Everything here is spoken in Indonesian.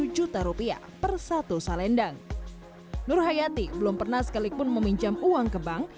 satu juta rupiah per satu salendang nur hayati belum pernah sekalipun meminjam uang ke bank